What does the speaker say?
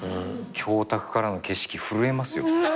教卓からの景色震えますよ。